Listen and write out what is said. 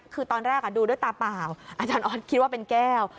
คือตอนแรกดูด้วยตาเปล่าอาจารย์ออสคิดว่าเป็นแก้ว